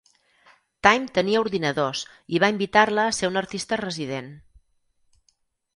Time tenia ordinadors, i va invitar-la a ser una artista resident.